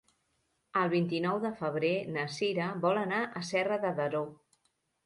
El vint-i-nou de febrer na Cira vol anar a Serra de Daró.